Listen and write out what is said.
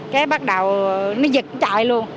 cái bắt đầu nó giật chạy luôn